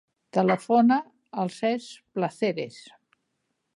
Telefona al Cesc Placeres.